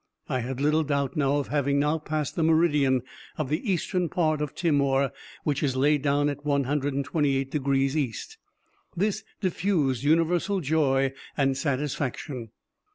I had little doubt of having now passed the meridian of the eastern part of Timor, which is laid down in 128 degrees east. This diffused universal joy and satisfaction.